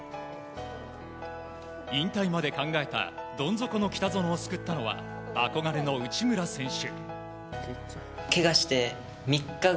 引退まで考えたどん底の北園を救ったのは憧れの内村選手。